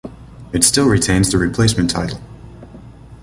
It still retains the replacement title.